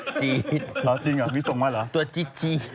รจไม่จริงอ๋อตัวจีท